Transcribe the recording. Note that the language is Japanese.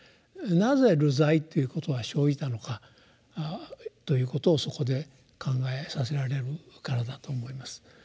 なぜ流罪ということが生じたのかということをそこで考えさせられるからだと思います。